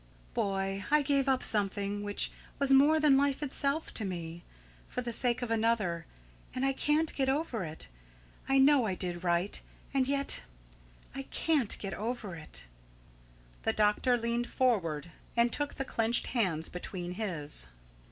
"Boy I gave up something, which was more than life itself to me, for the sake of another, and I can't get over it. I know I did right, and yet I can't get over it." The doctor leaned forward and took the clenched hands between his.